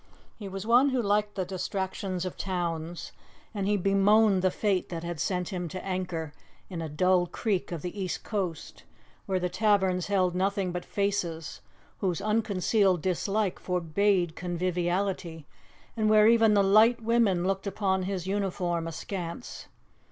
He was one who liked the distractions of towns, and he bemoaned the fate that had sent him to anchor in a dull creek of the East Coast, where the taverns held nothing but faces whose unconcealed dislike forbade conviviality, and where even the light women looked upon his uniform askance.